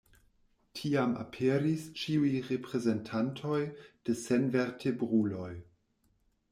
Tiam aperis ĉiuj reprezentantoj de senvertebruloj.